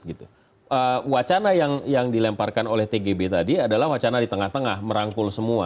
gitu wacana yang dilemparkan oleh tgb tadi adalah wacana di tengah tengah merangkul semua